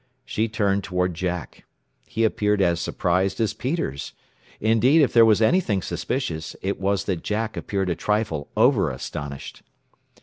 She turned toward Jack. He appeared as surprised as Peters. Indeed, if there was anything suspicious, it was that Jack appeared a trifle over astonished.